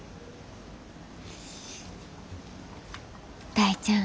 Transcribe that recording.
大ちゃん。